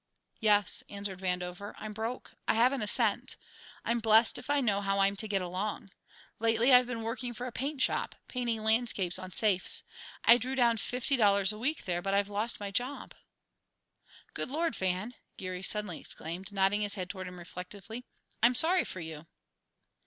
"Yes," answered Vandover. "I'm broke; I haven't a cent. I'm blest if I know how I'm to get along. Lately I've been working for a paint shop, painting landscapes on safes. I drew down fifty dollars a week there, but I've lost my job." "Good Lord, Van!" Geary suddenly exclaimed, nodding his head toward him reflectively, "I'm sorry for you!"